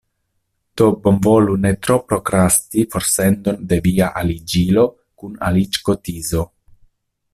Do bonvolu ne tro prokrasti forsendon de via aliĝilo kun aliĝkotizo.